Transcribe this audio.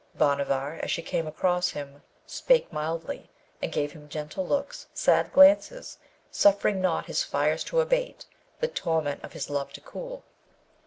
Bhanavar as she came across him spake mildly, and gave him gentle looks, sad glances, suffering not his fires to abate, the torment of his love to cool.